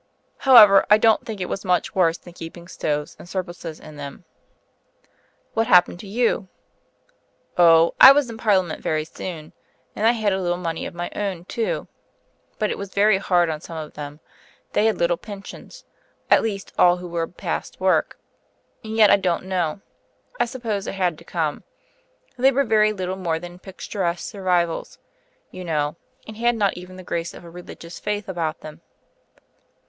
However, I don't think it was much worse than keeping stoves and surplices in them." "What happened to you?" "Oh! I was in Parliament very soon; and I had a little money of my own, too. But it was very hard on some of them; they had little pensions, at least all who were past work. And yet, I don't know: I suppose it had to come. They were very little more than picturesque survivals, you know; and had not even the grace of a religious faith about them."